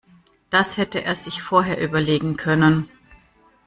Das hätte er sich vorher überlegen können.